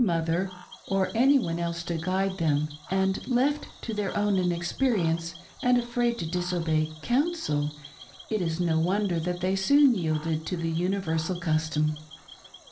251 tpother or any one else to guide them, and left to their own inexperience and afraid to disobey "counsel" it is no wonder that they soon yielded to the universal custom.